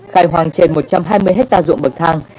khai hoang trên một trăm hai mươi hectare ruộng bậc thang